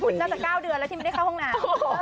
น่าจะ๙เดือนแล้วที่ไม่ได้เข้าห้องน้ำ